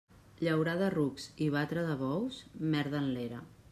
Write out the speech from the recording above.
Llaurar de rucs i batre de bous, merda en l'era.